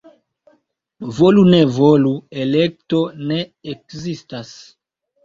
Volu-ne-volu, — elekto ne ekzistas.